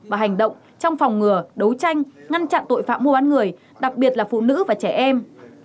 và hành động trong phòng ngừa đấu tranh ngăn chặn tội phạm mua bán người đặc biệt là phụ nữ và trẻ em